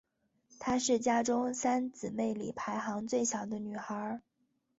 她是家中三姊妹里排行最小的女孩。